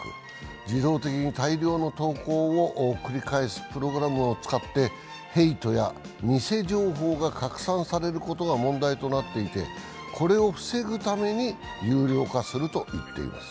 自動的に大量に投稿を繰り返すプログラムを使ってヘイトや偽情報が拡散されることが問題となっていてこれを防ぐために有料化すると言っています。